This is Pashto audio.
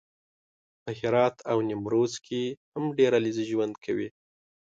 په هرات او نیمروز کې هم ډېر علیزي ژوند کوي